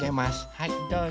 はいどうぞ。